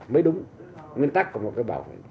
mới đúng nguyên tắc của một cái bảo vệ